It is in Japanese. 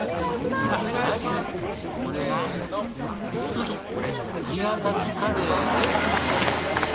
これがギガかつカレーです。